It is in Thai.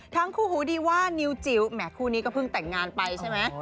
ทั้งคู่หูดีว่านิวจิ๋วแหมคู่นี้ก็เพิ่งแต่งงานไปใช่ไหม